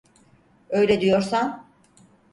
Öyle diyorsan…